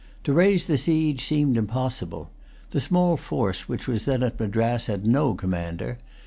To raise the siege seemed impossible. The small force which was then at Madras had no commander.